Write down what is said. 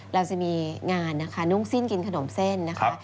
เราจะมีงานนะคะนุ่งสิ้นกินขนมเส้นนะคะ